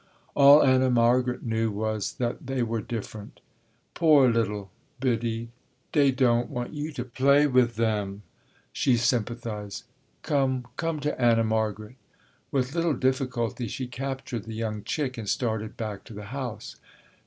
All Anna Margaret knew was that they were different. "Poor l'll biddie, dey don't want you to play wif them," she sympathized, "come, come to Anna Margaret." With little difficulty she captured the young chick and started back to the house.